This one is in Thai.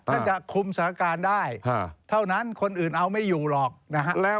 ถ้าจะคุมสถานการณ์ได้เท่านั้นคนอื่นเอาไม่อยู่หรอกนะฮะ